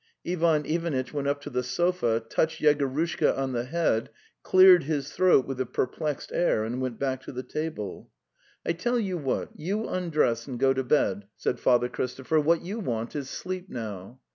Ivan Ivanitch went up to the sofa, touched Yego rushka on the head, cleared his throat with a per plexed air, and went back to the table. 'T tell you what, you undress and go to bed," said " said Ivan 288 The Tales of Chekhov Father Christopher. '' What you want is sleep now."